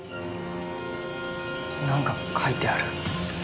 何か書いてある。